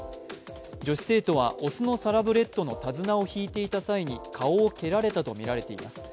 女子生徒は雄のサラブレッドの手綱を引いていた際に顔を蹴られたとみられています。